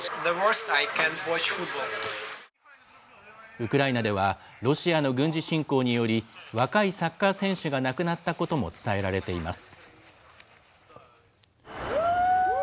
ウクライナでは、ロシアの軍事侵攻により、若いサッカー選手が亡くなったことも伝えられています。